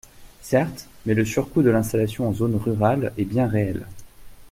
Certes, mais le surcoût de l’installation en zone rurale est bien réel.